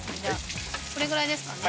これぐらいですかね。